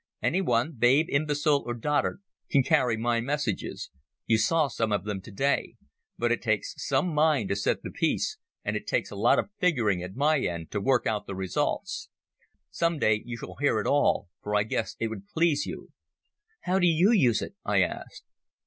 Any one, babe, imbecile, or dotard, can carry my messages—you saw some of them today—but it takes some mind to set the piece, and it takes a lot of figuring at my end to work out the results. Some day you shall hear it all, for I guess it would please you." "How do you use it?" I asked.